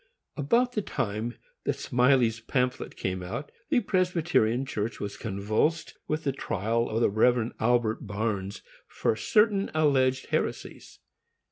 About the time that Smylie's pamphlet came out, the Presbyterian Church was convulsed with the trial of the Rev. Albert Barnes for certain alleged heresies.